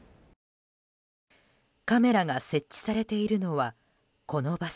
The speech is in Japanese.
カメラが設置されているのはこの場所。